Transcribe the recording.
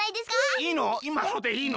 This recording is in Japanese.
いいの？